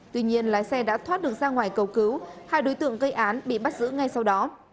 tuy nhiên lái xe đã thoát được ra ngoài cầu cứu hai đối tượng gây án bị bắt giữ ngay sau đó